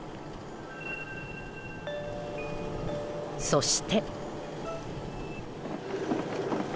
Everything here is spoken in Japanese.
そして。